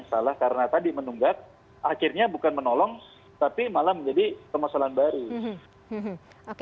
salah karena tadi menunggak akhirnya bukan menolong tapi malah menjadi permasalahan baru